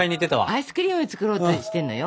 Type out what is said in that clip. アイスクリーム作ろうとしてんのよ？